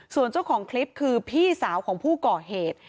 ส่วนเจ้าของคลิปคือพี่สาวของผู้ก่อเหตุ